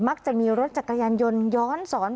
จะมีรถจักรยานยนต์ย้อนสอน